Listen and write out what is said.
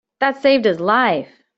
That saved his life.